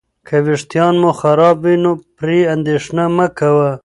که ویښتان مو خراب وي، پرې اندېښنه مه کوه.